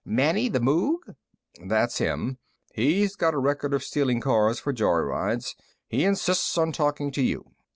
"Manny the Moog?" "That's the one. He's got a record of stealing cars for joyrides. He insists on talking to you."